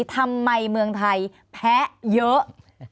ทำไมเมืองไทยแพ้เยอะ